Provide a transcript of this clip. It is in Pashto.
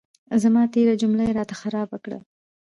زما تېره جمله یې را ته خرابه کړه.